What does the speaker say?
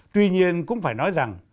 tuy nhiên cũng phải nói rằng